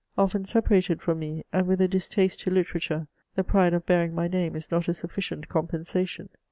Often separated from me, and witii a distaste to literature, the pride of bearing my name is not a suffident compensation.